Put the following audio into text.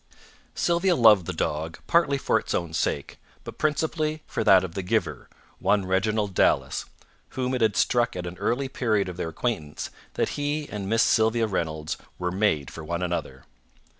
Sylvia loved the dog partly for its own sake, but principally for that of the giver, one Reginald Dallas, whom it had struck at an early period of their acquaintance that he and Miss Sylvia Reynolds were made for one another.